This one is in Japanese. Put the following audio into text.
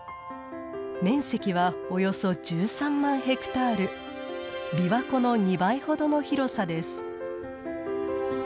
面積はおよそ１３万ヘクタール琵琶湖の２倍ほどの広さです。